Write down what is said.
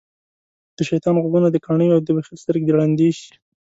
دشيطان غوږونه دکاڼه او دبخیل سترګی د ړندی شی